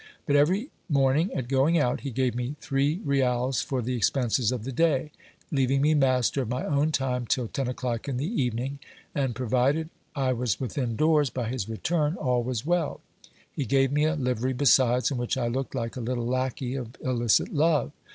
But every morning, at going out, he gave me three reals for the expenses of the day, leaving me master of my own time till ten c'clock in the evening ; and provided I was within doors by his return, all was veil. He gave me a livery besides, in which I looked like a little lackey of illicit love.